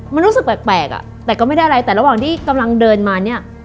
มันรู้สึกแปลกอ่ะแต่ก็ไม่ได้อะไรแต่ระหว่างที่กำลังเดินมาเนี่ย